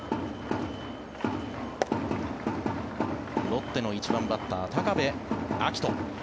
ロッテの１番バッター高部瑛斗。